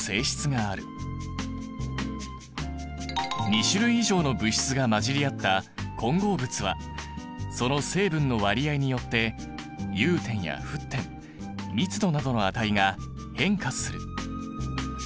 ２種類以上の物質が混じり合った混合物はその成分の割合によって融点や沸点密度などの値が変化する。